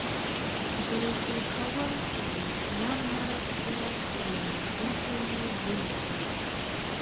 د پېښور کمیشنر مرستیال کیوناري ته یې ولیکل.